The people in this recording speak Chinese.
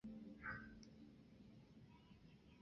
人人得有单独的财产所有权以及同他人合有的所有权。